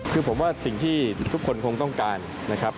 คือผมว่าสิ่งที่ทุกคนคงต้องการนะครับ